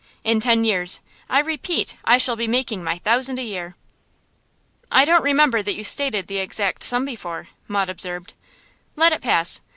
In ten years, I repeat, I shall be making my thousand a year.' 'I don't remember that you stated the exact sum before,' Maud observed. 'Let it pass.